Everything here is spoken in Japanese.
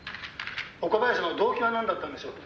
「岡林の動機は何だったのでしょうか？」